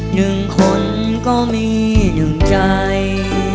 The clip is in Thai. หนึ่งคนก็มีหนึ่งใจ